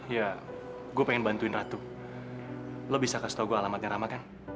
ya gue pengen bantuin ratu lo bisa kasih tau gue alamatnya rama kan